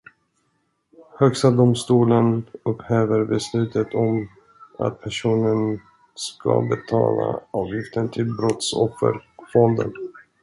Högsta domstolen upphäver beslutet om att personen ska betala avgift till brottsofferfonden.